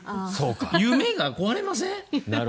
夢が壊れません？